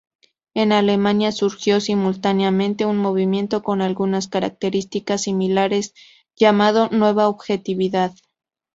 En Alemania surgió simultáneamente un movimiento con algunas características similares llamado Nueva objetividad.